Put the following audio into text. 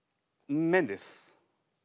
麺です。